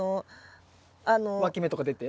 わき芽とか出て？